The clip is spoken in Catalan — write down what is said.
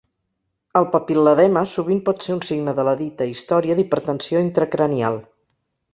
El papil·ledema sovint pot ser un signe de la dita història d'hipertensió intracranial.